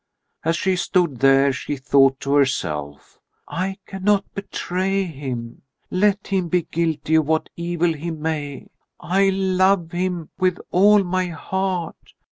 As she stood there she thought to herself: "I cannot betray him. Let him be guilty of what evil he may, I love him with all my heart.